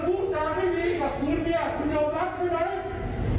พูดจาไม่ดีกับคุณเนี่ยคุณยอมรับใช่ไหม